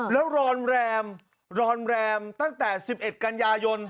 แล้วรอนแรมตั้งแต่๑๑กันยายน